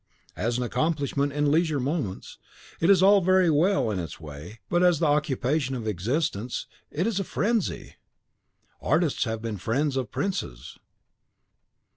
As an accomplishment in leisure moments, it is all very well in its way; but as the occupation of existence, it is a frenzy." "Artists have been the friends of princes."